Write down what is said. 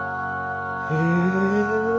へえ！